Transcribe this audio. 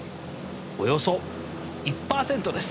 およそ１％です！